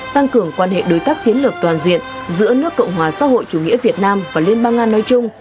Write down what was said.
tăng cường quan hệ đối tác chiến lược toàn diện giữa nước cộng hòa xã hội chủ nghĩa việt nam và liên bang nga nói chung